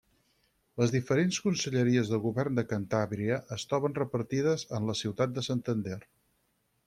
Les diferents conselleries del Govern de Cantàbria es troben repartides en la ciutat de Santander.